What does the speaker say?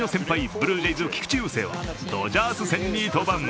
ブルージェイズ・菊池雄星はドジャース戦に登板。